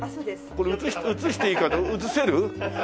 これ映していいか映せる？